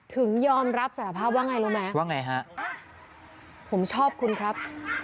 ยอมรับสารภาพว่าไงรู้ไหมว่าไงฮะผมชอบคุณครับ